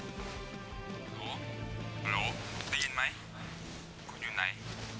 หนูหนูได้ยินไหมคุณอยู่ไหน